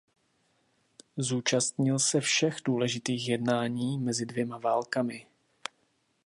Zúčastnil se všech důležitých jednání mezi dvěma válkami.